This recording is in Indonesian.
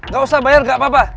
gak usah bayar nggak apa apa